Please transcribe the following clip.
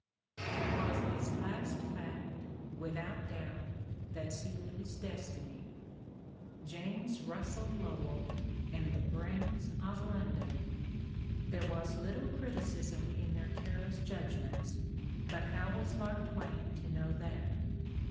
It was this last fact, without doubt, that sealed his destiny. James Russell Lowell and '' the brains of Lon don"! There was little criticism in their careless judg ments, but how was Mark Twain to know that